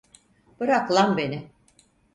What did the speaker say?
Bırak lan beni!